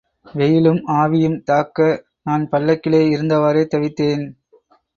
வெயிலும், ஆவியும் தாக்க நான் பல்லக்கிலே இருந்தவாறே தவித்தேன்.